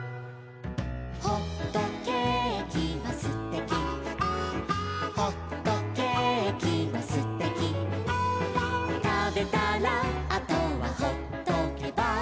「ほっとけーきはすてき」「ほっとけーきはすてき」「たべたらあとはほっとけば」